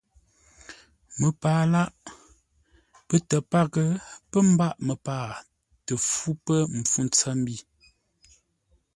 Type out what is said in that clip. Məpaa lâʼ. Pətə́ paghʼə pə́ mbâʼ məpaa tə fú pə̂ mpfu ntsəmbi.